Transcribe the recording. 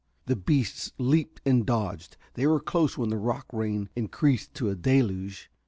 The beasts leaped and dodged. They were close when the rock rain increased to a deluge.